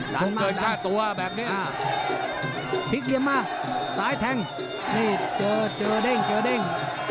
หลังเกินค่าตัวแบบนี้พลิกเหลี่ยมมาซ้ายแทงนี่เจอเจอเด้งเจอเด้ง